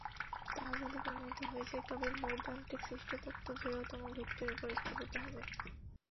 তা যদি প্রমাণিত হয়ে যায়, তবে বৈদান্তিক সৃষ্টিতত্ত্ব দৃঢ়তম ভিত্তির উপর স্থাপিত হবে।